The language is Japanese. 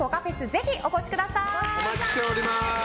ぜひお越しください！